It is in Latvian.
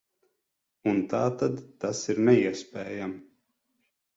Un tātad tas ir neiespējami.